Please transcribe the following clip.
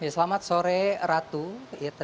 selamat sore ratu